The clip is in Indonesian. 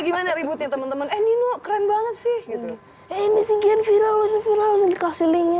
gimana ributnya temen temen eh nino keren banget sih gitu ini sih gian viral viral dikasih link